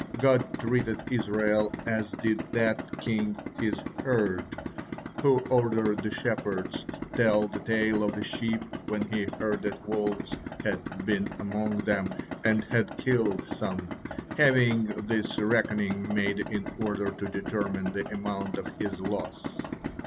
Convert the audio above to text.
God treated Israel as did that king his herd, who ordered the shepherds tell the tale of the sheep when he heard that wolves had been among them and had killed some, having this reckoning made in order to determine the amount of his loss.